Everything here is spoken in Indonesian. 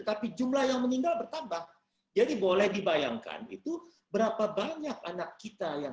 tapi jumlah yang meninggal bertambah jadi boleh dibayangkan itu berapa banyak anak kita yang